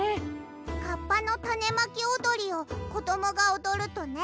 「カッパのタネまきおどり」をこどもがおどるとね